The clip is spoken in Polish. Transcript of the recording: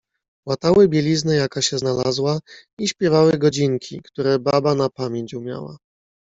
"Łatały bieliznę jaka się znalazła, i śpiewały godzinki, które baba na pamięć umiała."